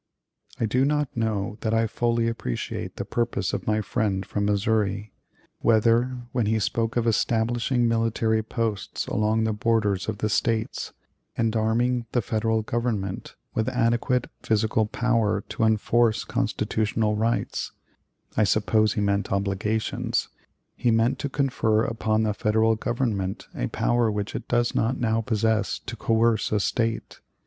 "I do not know that I fully appreciate the purpose of my friend from Missouri; whether, when he spoke of establishing military posts along the borders of the States, and arming the Federal Government with adequate physical power to enforce constitutional rights (I suppose he meant obligations), he meant to confer upon this Federal Government a power which it does not now possess to coerce a State.